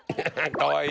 かわいい。